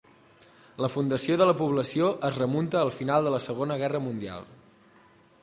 La fundació de la població es remunta al final de la Segona Guerra Mundial.